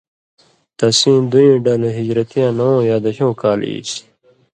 تسیں دُوئیں ڈلہۡ ہِجرتِیاں نوؤں یا دَشؤں کال ایسیۡ،